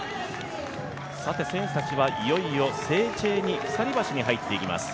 選手たちはいよいよセーチェーニ鎖橋に入っていきます。